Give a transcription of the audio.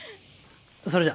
それじゃ。